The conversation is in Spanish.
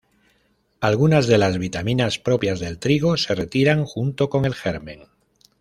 Algunas de las vitaminas propias del trigo se retiran junto con el germen.